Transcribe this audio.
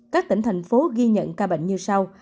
các tỉnh thành phố ghi nhận ca bệnh như sau